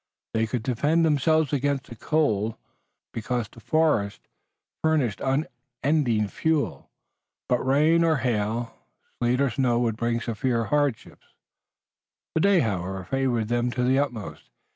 They could defend themselves against cold, because the forest furnished unending fuel, but rain or hail, sleet or snow would bring severe hardship. The day, however, favored them to the utmost.